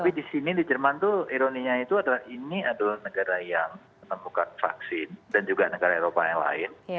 tapi di sini di jerman itu ironinya itu adalah ini adalah negara yang menemukan vaksin dan juga negara eropa yang lain